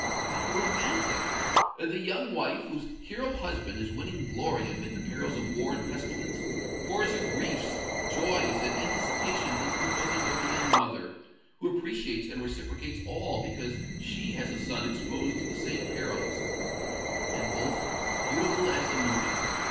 "How romantic! The young wife, whose hero husband is winning glory amid the perils of war and pestilence, pours her griefs, joys and anticipations into the bosom of the young mother, who appreciates and reciprocates all, because she has a son exposed to the same perils and both beautiful as the morning!